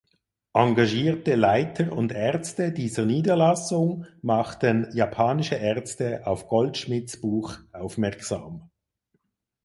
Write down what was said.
Engagierte Leiter und Ärzte dieser Niederlassung machten japanische Ärzte auf Goldschmidts Buch aufmerksam.